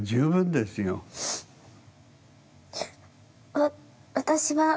わ私は。